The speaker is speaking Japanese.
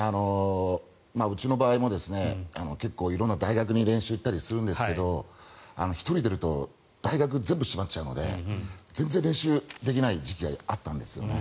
うちの場合も結構色んな大学に練習に行ったりするんですけど１人出ると大学全部閉まっちゃうので全然練習できない時期があったんですよね。